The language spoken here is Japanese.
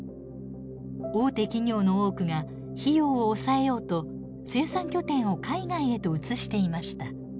大手企業の多くが費用を抑えようと生産拠点を海外へと移していました。